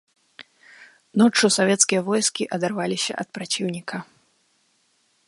Ноччу савецкія войскі адарваліся ад праціўніка.